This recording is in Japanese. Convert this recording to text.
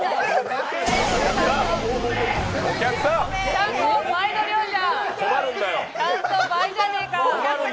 ちゃんと倍じゃねえか！